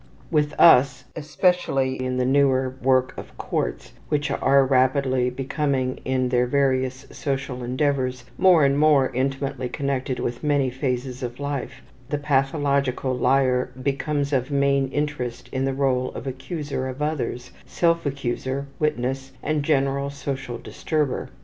With us, especially in the newer work of courts, which are rapidly becoming in their various social endeavors more and more intimately connected with many phases of life, the pathological liar becomes of main interest in the role of accuser of others, self accuser, witness, and general social disturber.